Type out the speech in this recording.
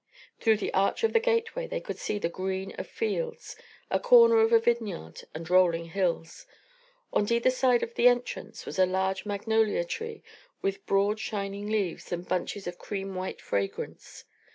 Through the arch of the gateway they could see the green of fields, a corner of a vineyard, and rolling hills. On either side of the entrance was a large magnolia tree with broad shining leaves and bunches of cream white fragrance.